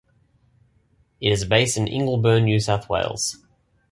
It is based in Ingleburn, New South Wales.